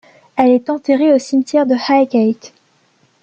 Elle est enterrée au cimetière de Highgate.